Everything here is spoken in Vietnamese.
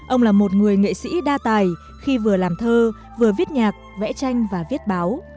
ông là một người nghệ sĩ đa tài khi vừa làm thơ vừa viết nhạc vẽ tranh và viết báo